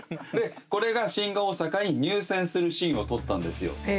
これが新大阪に入線するシーンを撮ったんですよ。